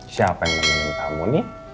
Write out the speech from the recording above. siapa yang meminta kamu nih